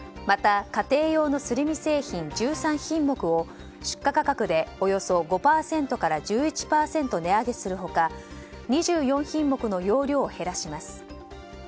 また、家庭用のすり身製品１３品目を出荷価格で、およそ５％から１１％値上げする他２４品目の容量を減らします。